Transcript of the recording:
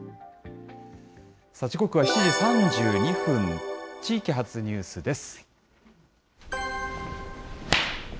時刻は７時３２分、地域発ニュースです。